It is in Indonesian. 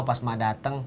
emang emak dateng